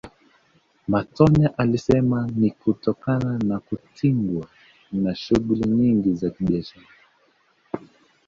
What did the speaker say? Matonya alisema ni kutokana na kutingwa na shughuli nyingi za kibiashara